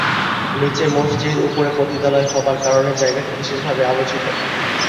নিচে মসজিদ, উপরে পতিতালয় হবার কারণে জায়গাটি বিশেষভাবে আলোচিত।